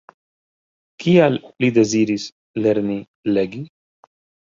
Kial li deziris lerni legi?